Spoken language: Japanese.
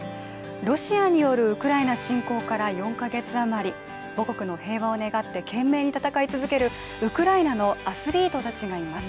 ロシアによるウクライナ侵攻から４カ月あまり母国の平和を願って懸命に戦い続けるウクライナのアスリートたちがいます。